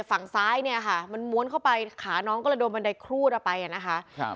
ฝั่งซ้ายเนี่ยค่ะมันม้วนเข้าไปขาน้องก็เลยโดนบันไดครูดออกไปอ่ะนะคะครับ